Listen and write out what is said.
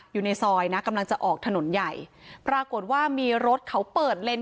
อยู่ในซอยนะกำลังจะออกถนนใหญ่ปรากฏว่ามีรถเขาเปิดเลน